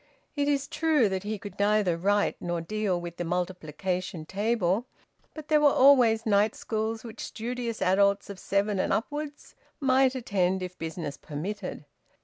It is true that he could neither write nor deal with the multiplication table; but there were always night schools which studious adults of seven and upwards might attend if business permitted.